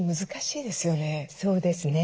そうですね。